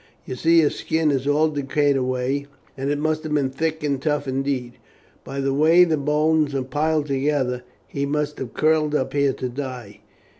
You see his skin is all decayed away, and it must have been thick and tough indeed. By the way the bones are piled together, he must have curled up here to die.